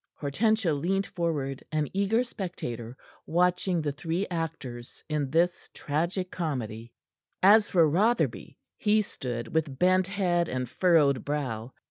Hortensia leant forward, an eager spectator, watching the three actors in this tragicomedy. As for Rotherby, he stood with bent head and furrowed brow.